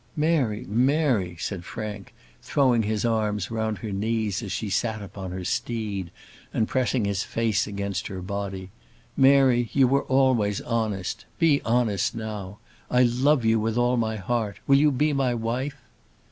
"Mary, Mary!" said Frank, throwing his arms round her knees as she sat upon her steed, and pressing his face against her body. "Mary, you were always honest; be honest now. I love you with all my heart. Will you be my wife?"